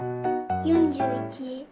４１。